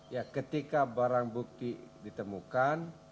ya ketika barang bukti ditemukan